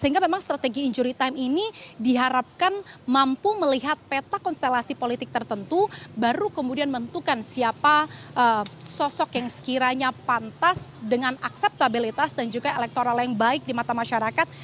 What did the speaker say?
sehingga memang strategi injury time ini diharapkan mampu melihat peta konstelasi politik tertentu baru kemudian menentukan siapa sosok yang sekiranya pantas dengan akseptabilitas dan juga elektoral yang baik di mata masyarakat